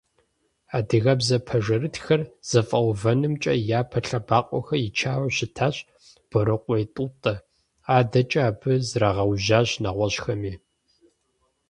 Адыгэбзэ пэжырытхэр зэфӏэувэнымкӏэ япэ лъэбакъуэхэр ичауэ щытащ Борыкъуей Тӏутӏэ, адэкӏэ абы зрагъэужьащ нэгъуэщӀхэми.